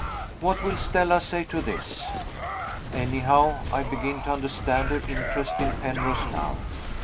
What will Stella say to this? Anyhow, I begin to understand her interest in Penrose now.